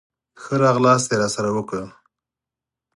ښه راغلاست یې راسره وکړل.